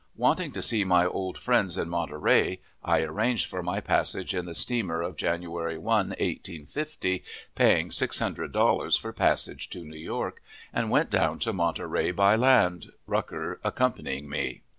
Wanting to see my old friends in Monterey, I arranged for my passage in the steamer of January 1, 1850, paying six hundred dollars for passage to New York, and went down to Monterey by land, Rucker accompanying me.